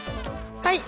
はい。